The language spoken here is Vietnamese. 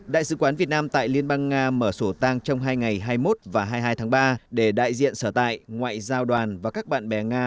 đại sứ quán việt nam tại liên bang nga mở sổ tang trong hai ngày hai mươi một và hai mươi hai tháng ba để đại diện sở tại ngoại giao đoàn và các bạn bè nga